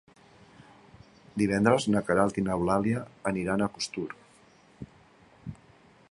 Divendres na Queralt i n'Eulàlia aniran a Costur.